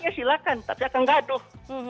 tidak silakan tapi akan gaduh